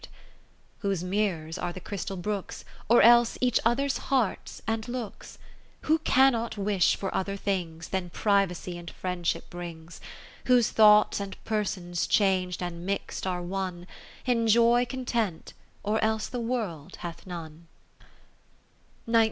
^ bough? (521) Kath eri7te Philips xri Whose mirrors are the crystal brooks, Or else each other's hearts and looks ; Who cannot wish for other things Than privacy and friendship brings : 70 Whose thoughts and persons chang'd and mixt are one, Enjoy Content, or else the World hath none.